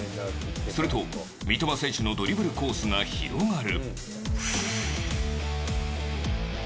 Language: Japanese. すると、三笘選手のドリブルコースが広がる。